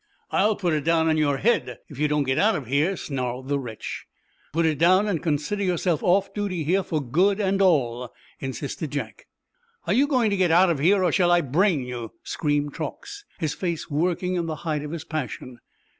"I'll put it down on your head, if you don't get out of here!" snarled the wretch. "Put it down, and consider yourself off duty here, for good and all," insisted Jack. "Are you going to get out of here, or shall I brain you?" screamed Truax, his face working in the height of his passion.